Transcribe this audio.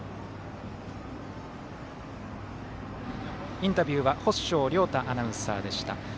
インタビューは法性亮太アナウンサーでした。